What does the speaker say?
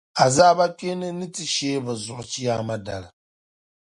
Azaaba kpeeni ni ti sheei bɛ zuɣu chiyaama dali.